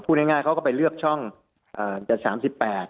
พูดง่ายเขาก็ไปเลือกช่องจด๓๘